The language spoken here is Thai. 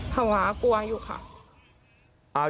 ภาวะกลัวอยู่ค่ะ